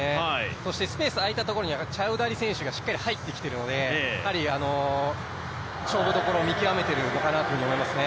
そして、スペース空いたところにチャウダリ選手がしっかり入ってきているので勝負どころを見極めているのかなという気がしますね。